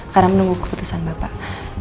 karena menunggu keputusan bapak